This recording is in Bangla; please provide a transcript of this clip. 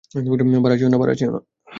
ভাড়া চেয়ো না।